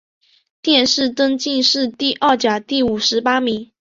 殿试登进士第二甲第五十八名。